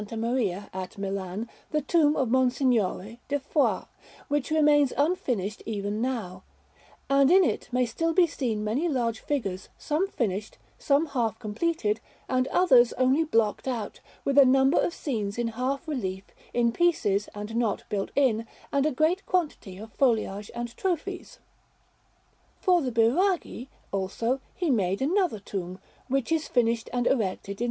Maria, at Milan, the tomb of Monsignore de Foix, which remains unfinished even now; and in it may still be seen many large figures, some finished, some half completed, and others only blocked out, with a number of scenes in half relief, in pieces and not built in, and a great quantity of foliage and trophies. For the Biraghi, also, he made another tomb, which is finished and erected in S.